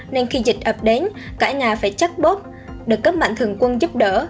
nên khi dịch ập đến cả nhà phải chắc bóp được cấp mạnh thường quân giúp đỡ